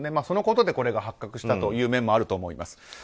そのことでこれが発覚したという面もあると思います。